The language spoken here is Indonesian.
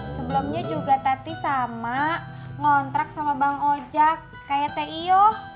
sebelumnya juga teti sama ngontrak sama bang ojek kayak tio